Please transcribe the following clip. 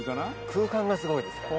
空間がすごいですから。